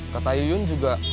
kata yuyun juga